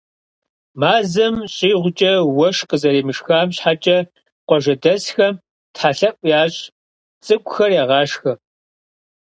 Мазэм щӏигъукӏэ уэшх къызэремышхам щхьэкӏэ, къуажэдэсхэм Тхьэлъэӏу ящӏ, цӏыкӏухэр ягъашхьэ.